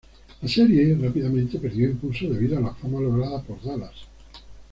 La serie rápidamente perdió impulso debido a la fama lograda por "Dallas".